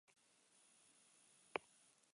Gainera, haurrei eskainitako eguna da ostirala.